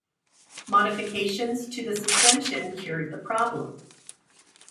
Modifications to the suspension cured the problem.